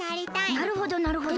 なるほどなるほど。